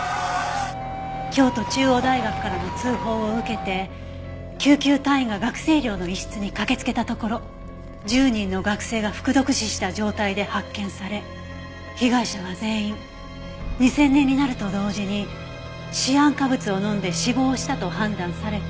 京都中央大学からの通報を受けて救急隊員が学生寮の一室に駆けつけたところ１０人の学生が服毒死した状態で発見され被害者は全員２０００年になると同時にシアン化物を飲んで死亡したと判断された。